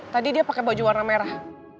tadi dia pakai baju warna merah